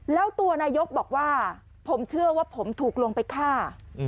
แล้วตัวนายกบอกว่าผมเชื่อว่าผมถูกลงไปฆ่า